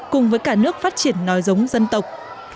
cùng với cả nước phát triển nòi giống dân tộc